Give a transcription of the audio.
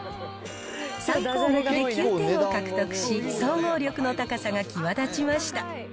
３項目で９点を獲得し、総合力の高さが際立ちました。